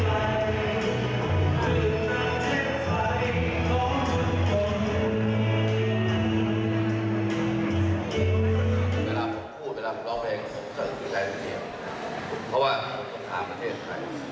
อ้าวอีกเป็นมาร้อง